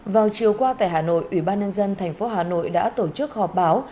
vào chiều qua tại hà nội ủy ban nhân dân thành phố hà nội đã tổ chức họp báo